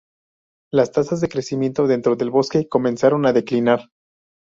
Las tasas de crecimiento dentro del Bloque comenzaron a declinar.